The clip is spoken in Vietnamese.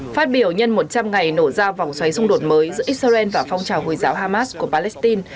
phát biểu nhân một trăm linh ngày nổ ra vòng xoáy xung đột mới giữa israel và phong trào hồi giáo hamas của palestine